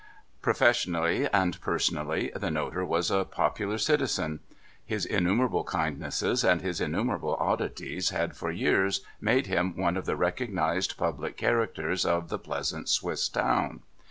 Professionally and personally, the notary was a popular citizen. His innumerable kindnesses and his innumerable oddities had for years made him one of the recognised public characters of the pleasant Swiss town.